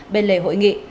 bên lề hội nghị